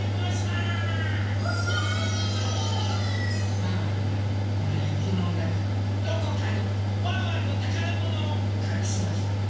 ワンワンがこのゆきのなかどこかにワンワンのたからものをかくしました。